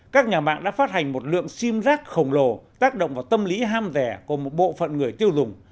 các nhà mạng đã phát hành một lượng sim giác khổng lồ tác động vào tâm lý ham rẻ của một bộ phận người tiêu dùng